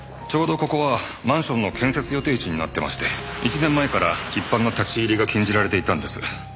ちょうどここはマンションの建設予定地になってまして１年前から一般の立ち入りが禁じられていたんです。